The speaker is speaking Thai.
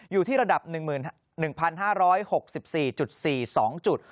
อยู่ที่ระดับ๑๑๕๖๔๔๒จุด